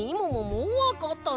もうわかったの？